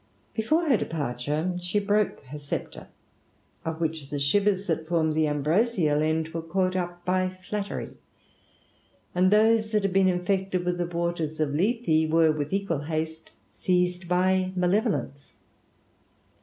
Before her departure she broke her sceptre, of which the shivers, that formed the ambrosial end, yfere caught up by Flattery, and those that had been infected with the waters of lethe were, with equal haste, seized by Malevo lence.